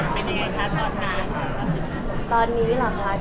ขั้มเป็นไงนะคะตอนนี้